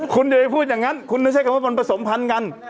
คุณอย่าไปพูดอย่างนั้นคุณไม่ใช่คำว่ามันผสมพันธ์กัน